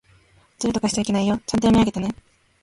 ずるとかしちゃいけないよ。ちゃんと読み上げてね。